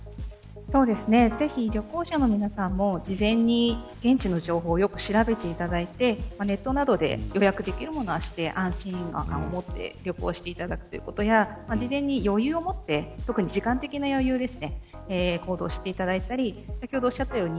ぜひ旅行者の皆さんも、事前に現地の情報をよく調べていただいてネットなどで予約できるものはして安心感を持って旅行していただくことや事前に余裕を持って特に時間的な余裕です。